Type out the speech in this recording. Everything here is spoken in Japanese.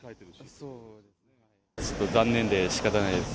ちょっと残念でしかたないです。